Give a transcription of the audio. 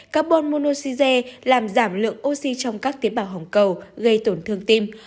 carbon monoxide làm giảm lượng oxy trong các tiến bảo hỏng cầu gây tổn thương tim